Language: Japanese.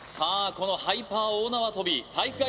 このハイパー大縄跳び体育会